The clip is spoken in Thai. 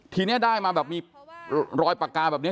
ทีนี้ได้มาแบบมีรอยปากกาแบบนี้